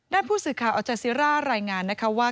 ด้านภูมิสื่อข่าวอัจจัยซีร่ารายงานว่า